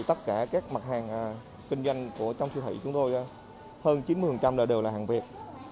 tất cả các mặt hàng kinh doanh trong siêu thị chúng tôi hơn chín mươi đều là hàng việt